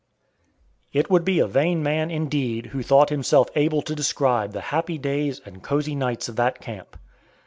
It would be a vain man indeed who thought himself able to describe the happy days and cozy nights of that camp.